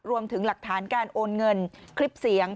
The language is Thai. รวมถึงหลักฐานการโอนเงินคลิปเสียง